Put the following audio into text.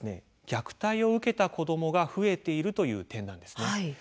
虐待を受けた子どもが増えているという点なんですね。